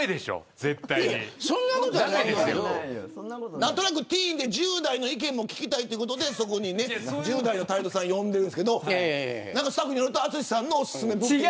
なんとなくティーンで１０代の意見も聞きたいっていうことでそこにね、１０代のタレントさん呼んでるんですけどスタッフによると淳さんのおすすめというのが。